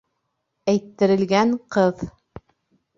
Әйттерелгән ҡыҙ.